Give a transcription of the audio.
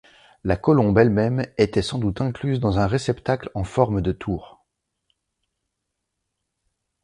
La colombe elle-même était sans doute incluse dans un réceptacle en forme de tour.